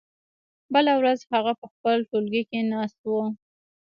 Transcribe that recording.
بله ورځ هغه په خپل ټولګي کې ناست و.